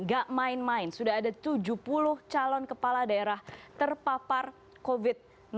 gak main main sudah ada tujuh puluh calon kepala daerah terpapar covid sembilan belas